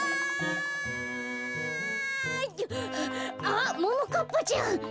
あっももかっぱちゃん！